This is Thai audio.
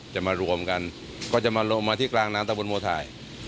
จะมารวมกันและก็จะมารวมมาที่กลางน้ำต้นบนโมทาย